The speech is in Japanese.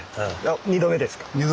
２度目ですか。